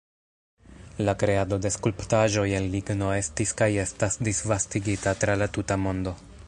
La kreado de skulptaĵoj el ligno estis kaj estas disvastigita tra la tuta mondo.